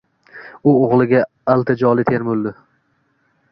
U o‘g‘liga iltijoli termuldi.